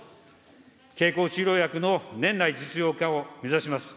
経口治療薬の年内実用化を目指します。